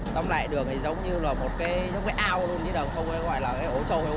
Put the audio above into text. tóm lại đường thì giống như là một cái giống cái ao luôn chứ đâu không phải gọi là cái ổ trâu hay ổ bòn